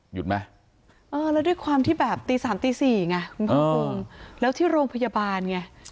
หยุดมั้ยเออแล้วด้วยความที่แบบตี๓ตี๔ไงคุณผู้หญิงแล้วที่โรงพยาบาลไง